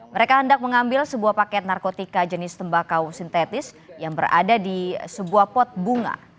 mereka hendak mengambil sebuah paket narkotika jenis tembakau sintetis yang berada di sebuah pot bunga